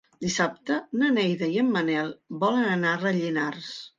Dissabte na Neida i en Manel volen anar a Rellinars.